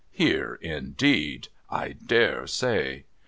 ' Here indeed ! I dare say